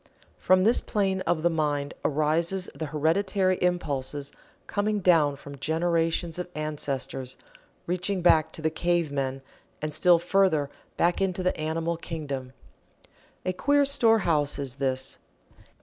From this plane of the mind arise the hereditary impulses coming down from generations of ancestors, reaching back to the cavemen, and still further back into the animal kingdom. A queer storehouse is this.